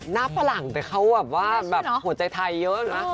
ฝรั่งแต่เขาแบบว่าแบบหัวใจไทยเยอะนะ